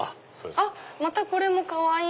またこれもかわいい！